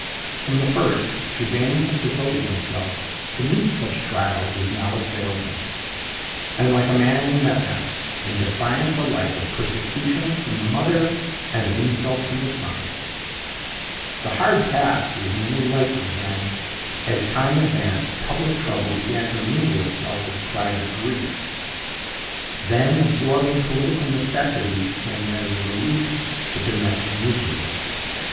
From the first, Trudaine had devoted himself to meet such trials as now assailed him; and like a man he met them, in defiance alike of persecution from the mother and of insult from the son. The hard task was only lightened when, as time advanced, public trouble began to mingle itself with private grief. Then absorbing political necessities came as a relief to domestic misery.